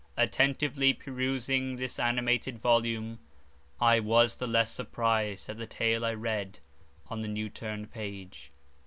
Attentively perusing this animated volume, I was the less surprised at the tale I read on the new turned page.